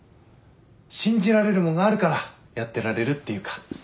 信じられるもんがあるからやってられるっていうか。